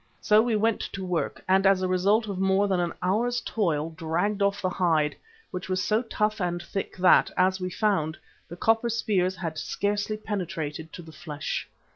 So we set to work, and as a result of more than an hour's toil, dragged off the hide, which was so tough and thick that, as we found, the copper spears had scarcely penetrated to the flesh.